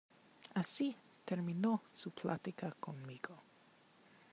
así terminó su plática conmigo.